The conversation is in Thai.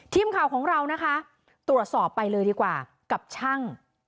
ทีมข่าวของเรานะคะตรวจสอบไปเลยดีกว่ากับช่าง